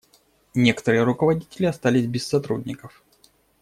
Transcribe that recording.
Некоторые руководители остались без сотрудников.